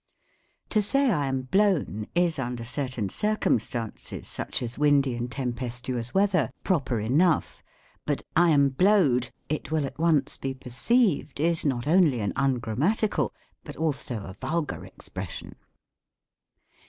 To say I am blown, is, under certain circumstan ces, such as windy and tempestuous weather, proper enough ; but I am blowed, it will at once be perceived, is not only an ungrammatical, but also a vulgar ex pression.